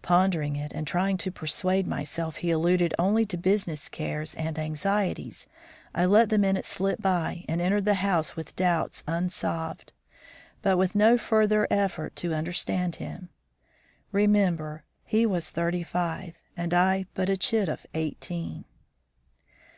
Pondering it and trying to persuade myself he alluded only to business cares and anxieties, I let the minute slip by and entered the house with doubts unsolved, but with no further effort to understand him. Remember, he was thirty five and I but a chit of eighteen.